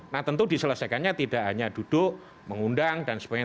nah tentu diselesaikannya tidak hanya duduk mengundang dan sebagainya